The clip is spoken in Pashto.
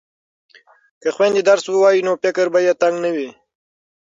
که خویندې درس ووایي نو فکر به یې تنګ نه وي.